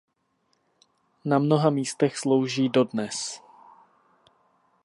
Na mnoha místech slouží dodnes.